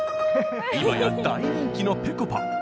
今や大人気のぺこぱ。